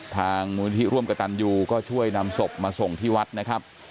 มูลนิธิร่วมกับตันยูก็ช่วยนำศพมาส่งที่วัดนะครับ